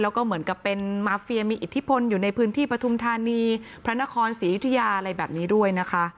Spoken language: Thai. แล้วก็เหมือนกับเป็นมาเฟียมีอิทธิพลอยู่ในพื้นที่ปฐุมธานีพระนครศรียุธยาอะไรแบบนี้ด้วยนะคะ